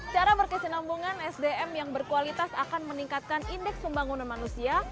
cara berkesinambungan sdm yang berkualitas akan meningkatkan indeks pembangunan manusia